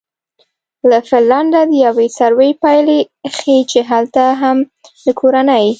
له فنلنډه د یوې سروې پایلې ښیي چې هلته هم د کورنۍ